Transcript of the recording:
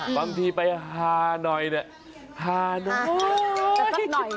บางทีไปฮาหน่อยฮาหน่อย